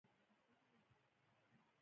ګونګ راتلونکی افغانۍ بې ثباته کړې.